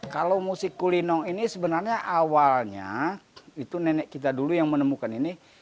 kalau musik kuliner ini sebenarnya awalnya itu nenek kita dulu yang menemukan ini